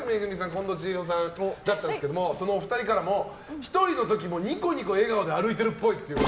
近藤千尋さんだったんですけどそのお二人からも一人の時もニコニコ笑顔で歩いてるっぽいと。